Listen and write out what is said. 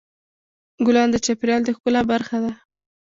ګلان د چاپېریال د ښکلا برخه ده.